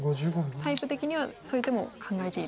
タイプ的にはそういう手も考えている。